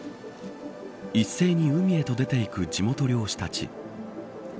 一斉に海へと出て行く地元漁師たち。